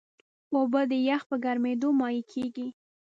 اوبه د یخ په ګرمیېدو مایع کېږي.